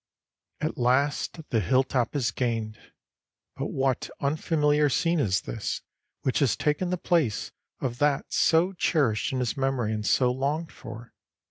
At last the hilltop is gained, but what unfamiliar scene is this which has taken the place of that so cherished in his memory and so longed for?